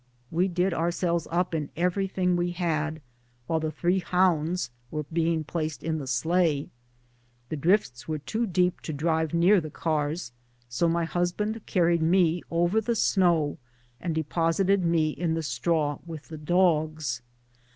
"We did ourselves up in everything we had, while the three hounds were being placed in the sleigh. The drifts were too deep to dfive near the cars, so my husband carried me over the snow and deposited me in the straw with the dogs.